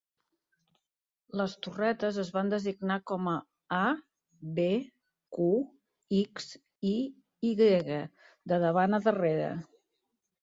Les torretes es van designar com a "A", "B", "Q", "X" i "Y", de davant a darrere.